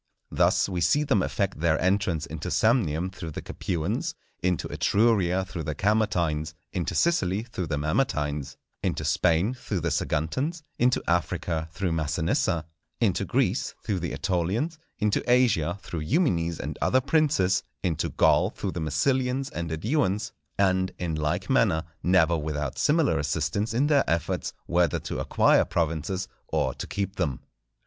Thus we see them effect their entrance into Samnium through the Capuans, into Etruria through the Camertines, into Sicily through the Mamertines, into Spain through the Saguntans, into Africa through Massinissa, into Greece through the Etolians, into Asia through Eumenes and other princes, into Gaul through the Massilians and Eduans; and, in like manner, never without similar assistance in their efforts whether to acquire provinces or to keep them.